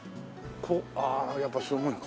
ああやっぱすごい。